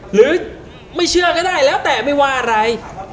หรือไม่เชื่อก็ได้แล้วแต่ไม่ว่าอะไร